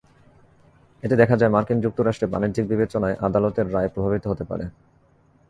এতে দেখা যায়, মার্কিন যুক্তরাষ্ট্রে বাণিজ্যিক বিবেচনায় আদালতের রায় প্রভাবিত হতে পারে।